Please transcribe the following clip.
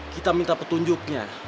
kita minta petunjuknya